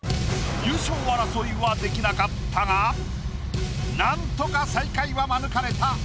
優勝争いはできなかったが何とか最下位は免れた。